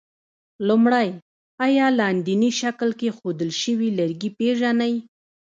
لومړی: آیا لاندیني شکل کې ښودل شوي لرګي پېژنئ؟